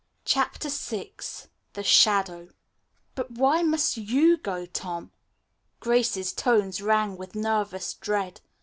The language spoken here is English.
CHAPTER VI THE SHADOW "But why must you go, Tom?" Grace's tones rang with nervous dread.